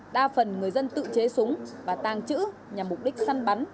đa phần người dân tự chế súng và tàng trữ nhằm mục đích săn bắn